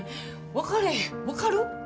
分かれへん分かる？